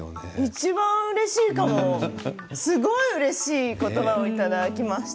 いちばんうれしいかもすごいうれしい言葉をいただきました。